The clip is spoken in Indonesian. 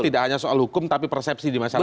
tidak hukum tapi persepsi di masyarakat